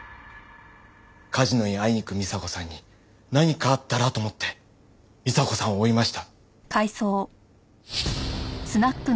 梶野に会いに行く美紗子さんに何かあったらと思って美紗子さんを追いました。